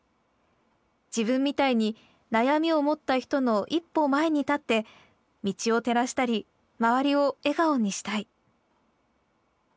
自分みたいに悩みを持った人の一歩前に立って道を照らしたり周りを笑顔にしたい。